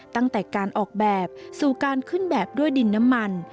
ตั้งแต่การออกแบบสู่การขึ้นแบบด้วยดินน้ำมัน